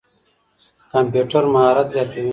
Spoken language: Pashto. کمپيوټر مهارت زياتوي.